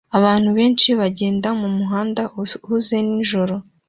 Abantu benshi bagenda mumuhanda uhuze nijoro